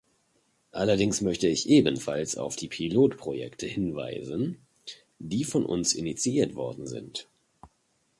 Allerdings möchte ich ebenfalls auf die Pilotprojekte hinweisen, die von uns initiiert worden sind.